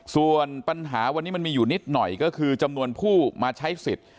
ส่วนปัญหาวันนี้มันมีอยู่นิดหน่อยก็คือจำนวนผู้มาใช้สิทธิ์